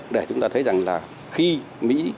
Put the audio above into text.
để chúng ta thấy rằng là khi mỹ